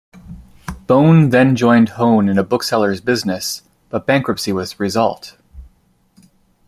Bone then joined Hone in a bookseller's business; but bankruptcy was the result.